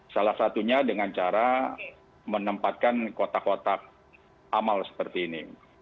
salah satunya dengan cara menempatkan kotak kotak amal seperti ini